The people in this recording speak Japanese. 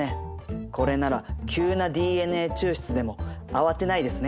これなら急なＤＮＡ抽出でも慌てないですね。